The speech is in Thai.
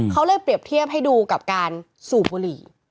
เขาเลยเปรียบเทียบให้ดูกับการสูบบุหรี่